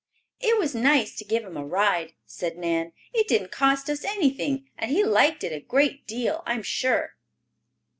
"It was nice to give him a ride," said Nan. "It didn't cost us anything and he liked it a great deal, I am sure."